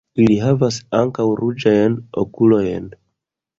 Ili havas ankaŭ ruĝajn okulojn.